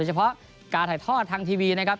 เฉพาะการถ่ายทอดทางทีวีนะครับ